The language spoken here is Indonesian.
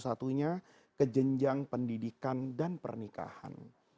satunya kejenjang pendidikan dan pernikahan